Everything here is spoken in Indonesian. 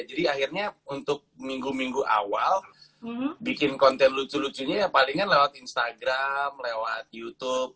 jadi akhirnya untuk minggu minggu awal bikin konten lucu lucunya ya palingan lewat instagram lewat youtube